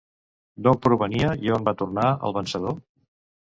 D'on provenia i on va tornar, el vencedor?